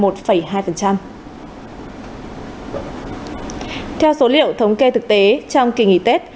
theo số liệu thống kê thực tế trong kỳ nghỉ tết